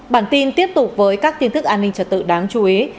bản tin tiếp tục với các tin tức an ninh trật tự đáng chú ý